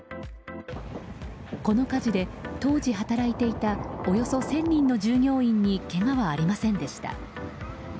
この火事で、当時働いていたおよそ１０００人の従業員にけがはありませんでした。